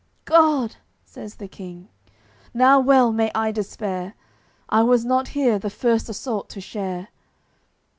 "God!" says the King, "Now well may I despair, I was not here the first assault to share!"